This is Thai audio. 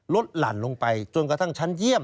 หลั่นลงไปจนกระทั่งชั้นเยี่ยม